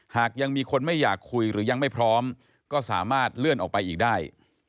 หากยังมีคนไม่อยากคุยหรือยังไม่พร้อมก็สามารถเลื่อนออกไปอีกได้